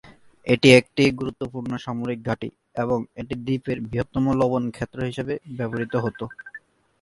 এটি একটি গুরুত্বপূর্ণ সামরিক ঘাঁটি এবং এটি দ্বীপের বৃহত্তম লবণ ক্ষেত্র হিসাবে ব্যবহৃত হত।